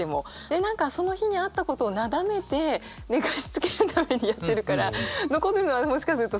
で何かその日にあったことをなだめて寝かしつけるためにやってるから残るのはもしかするとそれぐらいで。